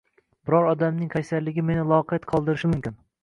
Biror odamning qaysarligi meni loqayd qoldirishi mumkin.